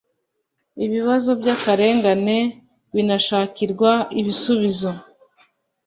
ibibazo by’akarengane binashakirwa ibisubizo